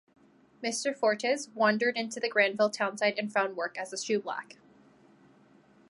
Mr. Fortes wandered into the Granville townsite and found work as a shoeblack.